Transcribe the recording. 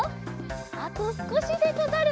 あとすこしでござる！